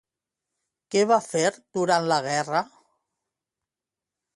Què va fer durant la guerra?